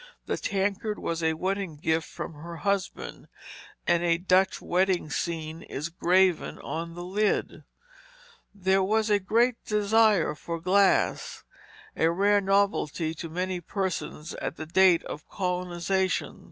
The tankard was a wedding gift from her husband, and a Dutch wedding scene is graven on the lid. There was a great desire for glass, a rare novelty to many persons at the date of colonization.